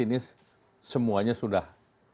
ini semuanya sudah